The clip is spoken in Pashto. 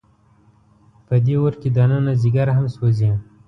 په دې اور کې دننه ځیګر هم سوځي.